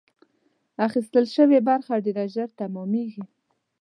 اخیستل شوې برخه ډېر ژر ترمیمېږي.